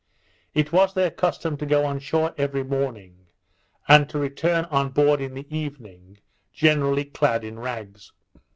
It was their custom to go on shore every morning, and to return on board in the evening, generally clad in rags.